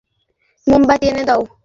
মানিয়া, একটা মোমবাতি এনে দাও না।